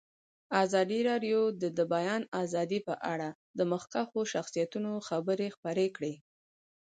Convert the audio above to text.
ازادي راډیو د د بیان آزادي په اړه د مخکښو شخصیتونو خبرې خپرې کړي.